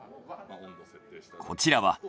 こちらは。